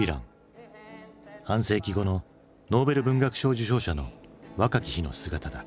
半世紀後のノーベル文学賞受賞者の若き日の姿だ。